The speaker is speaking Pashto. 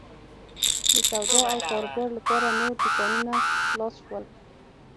د سودا او کاروبار لپاره نور دوکانونه خلاص شول.